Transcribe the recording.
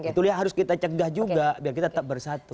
itu yang harus kita cegah juga biar kita tetap bersatu